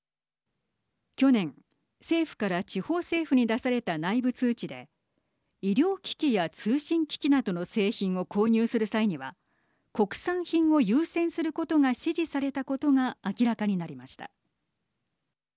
去年、政府から地方政府に出された内部通知で医療機器や通信機器などの製品を購入する際には国産品を優先することが指示されたことが明らかになりました。